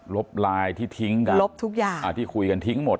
ไลน์ที่ทิ้งกันลบทุกอย่างอ่าที่คุยกันทิ้งหมด